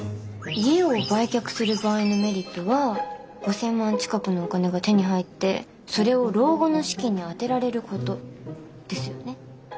家を売却する場合のメリットは５，０００万近くのお金が手に入ってそれを老後の資金に充てられることですよね？